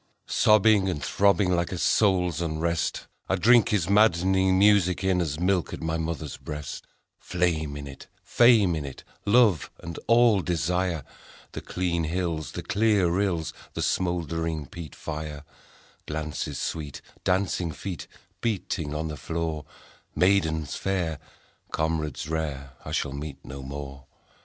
Sobbing and throbbing Like a soul's unrest ; I drink his madd'ning music in As milk at my mother's breast : Flame in it, Fame in it, Love and all desire ; 255 256 THE PIPES OF WAR The clean hills, The clear rills, The smouldering peat fire ; Glances sweet, Dancing feet, Beating on the floor ; Maidens fair, Comrades rare I shall meet no more.